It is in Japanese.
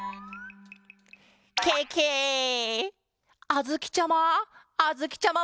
あづきちゃま！